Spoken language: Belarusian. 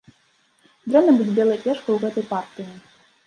Дрэнна быць белай пешкай у гэтай партыі.